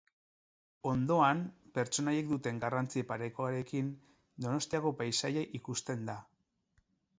Hondoan, pertsonaiek duten garrantzi parekoarekin, Donostiako paisaia ikusten da.